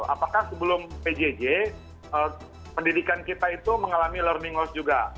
apakah sebelum pjj pendidikan kita itu mengalami learning loss juga